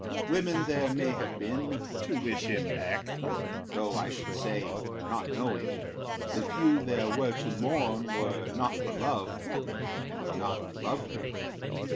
Women there may have been To wish him back, though I should say, not knowing, The few there were to mourn were not for love, And were not lovely.